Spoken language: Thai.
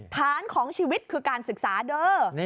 ฐานของชีวิตคือการศึกษาเด้อ